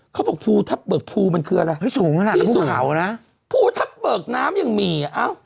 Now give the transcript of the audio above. เขาบอกภูทับเบิกภูมันคืออะไร